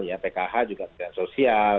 ya pkh juga kementerian sosial